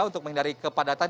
untuk menghindari kepadatan